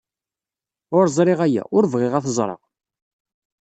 Ur ẓriɣ aya, ur bɣiɣ ad t-ẓreɣ.